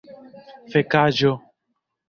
fekaĵo